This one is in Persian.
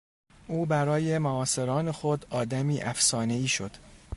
او برای معاصران خود آدمی افسانهای شد.